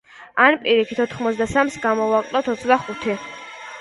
ან პირიქით, ოთხმოცდასამს გამოვაკლოთ ოცდახუთი.